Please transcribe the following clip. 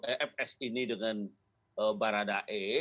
efs ini dengan barada e